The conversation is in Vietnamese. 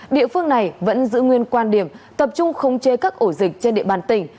địa phương này vẫn giữ nguyên quan điểm tập trung khống chế các ổ dịch trên địa bàn tỉnh